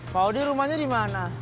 pak odi rumahnya dimana